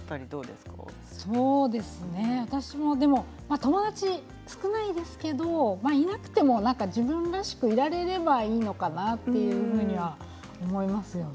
私も、でも友達少ないですけどいなくても自分らしくいられればいいのかなっていうふうには思いますよね。